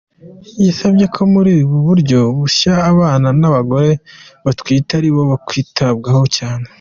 Yasabye ko muri ubu buryo bushya abana n’abagore batwite ari bo bakwitabwaho cyane.